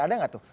ada nggak tuh